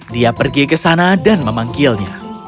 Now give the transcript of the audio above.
dia pergi ke sana dan memanggilnya